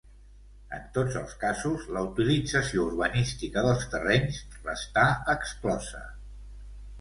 En tots els casos la utilització urbanística dels terrenys resta exclosa.